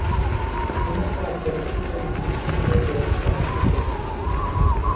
Una característica distinguible de esta sp.